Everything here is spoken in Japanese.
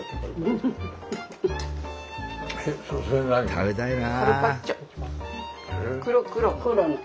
食べたいな。